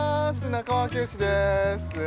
中尾明慶です。